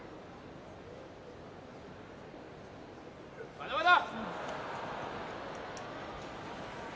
まだまだ。